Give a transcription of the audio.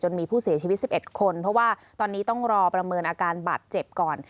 มีผู้เสียชีวิต๑๑คนเพราะว่าตอนนี้ต้องรอประเมินอาการบาดเจ็บก่อน